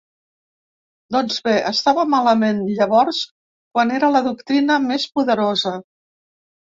Doncs bé, estava malament, llavors, quan era la doctrina més poderosa.